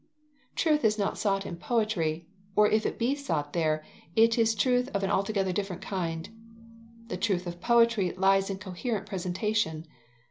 Truth is not sought in poetry, or if it be sought there, it is truth of an altogether different kind. The truth of poetry lies in coherent presentation.